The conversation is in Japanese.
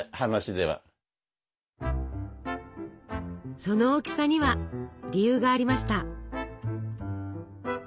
その大きさには理由がありました。